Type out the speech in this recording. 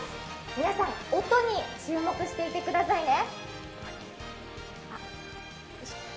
皆さん、音に注目していてくださいね。